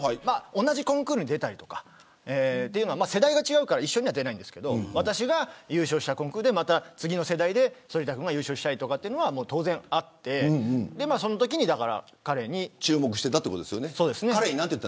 同じコンクールに出たりとかというのは世代が違うから一緒には出ないんですが私が優勝したコンクールで次の世代として反田君が優勝したりというのが当然あって注目していたんですか。